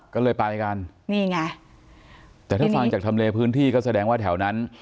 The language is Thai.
ก็เลยไปกันนี่ไงแต่ถ้าฟังจากทำเลพื้นที่ก็แสดงว่าแถวนั้น